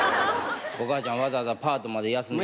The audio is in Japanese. お母ちゃんわざわざパートまで休んで。